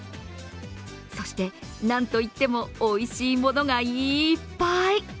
そして、なんといってもおいしいものがいっぱい。